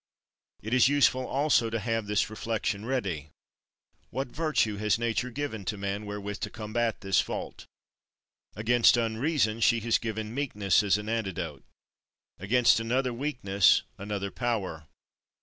It is useful also to have this reflection ready: What virtue has nature given to man wherewith to combat this fault? Against unreason she has given meekness as an antidote; against another weakness another power.